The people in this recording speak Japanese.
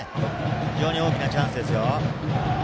非常に大きなチャンスです。